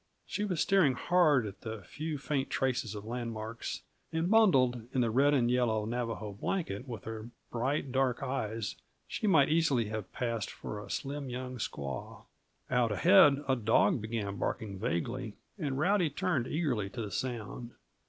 She was staring hard at the few, faint traces of landmarks; and, bundled in the red and yellow Navajo blanket, with her bright, dark eyes, she might easily have passed for a slim young squaw. Out ahead, a dog began barking vaguely, and Rowdy turned eagerly to the sound.